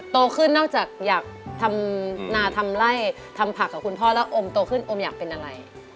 โตขึ้นนอกจากอยากทำนาทำไล่ทำผักกับคุณพ่อแล้วอมโตขึ้นอมอยากเป็นอะไร